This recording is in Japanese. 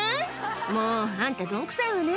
「もうあんたどんくさいわね